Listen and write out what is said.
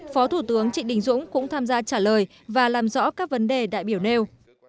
phó thủ tướng trịnh đình dũng cũng tham gia trả lời và làm rõ các vấn đề đại biểu nêu